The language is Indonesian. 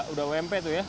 udah wmp tuh ya